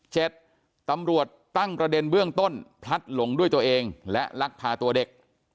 ตำรวจตั้งประเด็นเบื้องต้นพลัดหลงด้วยตัวเองและลักพาตัวเด็ก